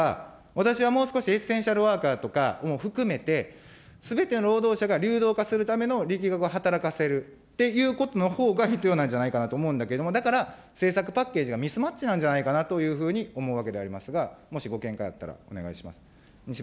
私はもう少しエッセンシャルワーカーとかも含めて、すべての労働者が流動化するための力学を働かせるということのほうが必要なんじゃないかなと思うんですけど、だから、政策パッケージがミスマッチなんじゃないかなというふうに思うわけでありますが、もしご見解があったらお願いします。